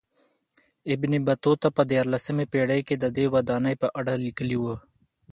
ابن بطوطه په دیارلسمه پېړۍ کې ددې ودانۍ په اړه لیکلي و.